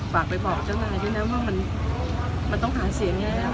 ฝากไปบอกเจ้านายด้วยนะว่ามันต้องหาเสียงแล้ว